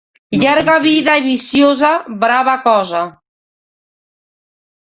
Llarga vida i viciosa, brava cosa.